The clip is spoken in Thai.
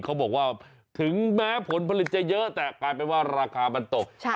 เขาบอกว่าถึงแม้ผลผลิตจะเยอะแต่กลายเป็นว่าราคามันตก